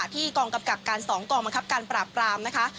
ที่กองกำกับการ๒กองบังคับการปราบปรามนะคะ